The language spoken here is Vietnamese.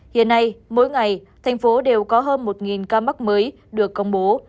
hiện nay mỗi ngày tp hcm đều có hơn một ca mắc mới được công bố